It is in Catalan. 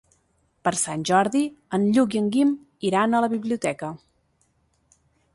Per Sant Jordi en Lluc i en Guim iran a la biblioteca.